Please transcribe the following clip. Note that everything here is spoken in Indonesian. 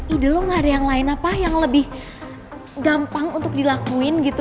ide lo gak ada yang lain apa yang lebih gampang untuk dilakuin gitu